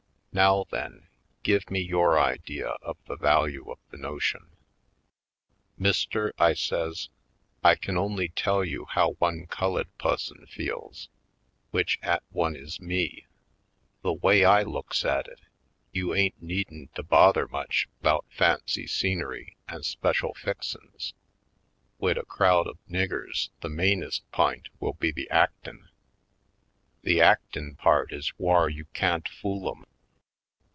Now then, give me your idea of the value of the notion?" "Mister," I says, "I kin only tell you how one cullid pusson feels, w'ich 'at one is me: The way I looks at it, you ain't needin' to bother much 'bout fancy scenery an' special fixin's — wid a crowed of niggers the mainest p'int will be the actin'. The actin' part is whar you can't fool 'em.